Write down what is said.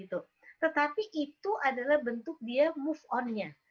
tetapi itu adalah bentuk dia move on nya